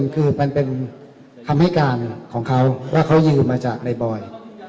คือมันเป็นคำให้การของเขาว่าเขายืมมาจากในบอย